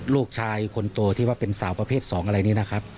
ลูกชายคนโตที่ว่าเป็นสาวประเภท๒อะไรนี้นะครับ